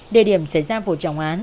địa điểm xảy ra vụ trọng án